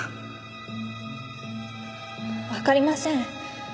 わかりません。